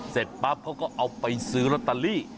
เสร็จปั๊บเขาก็เอาไปซื้อลอตเตอรี่